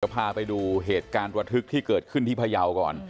พาไปดูเหตุการณ์ระทึกที่เกิดขึ้นที่พยาวก่อน